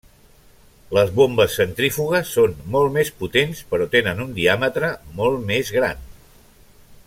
Les bombes centrífugues són molt més potents però tenen un diàmetre molt més gran.